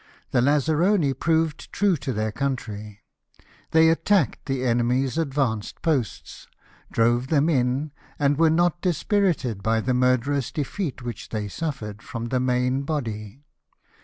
The lazzaroni proved true to their country. They attacked the enemy's advanced posts, drove them in, and were not dispirited by the murderous defeat which they suffered from the main body.